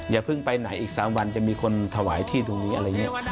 อย่าเพิ่งไปไหนอีก๓วันจะมีคนถวายที่ตรงนี้อะไรอย่างนี้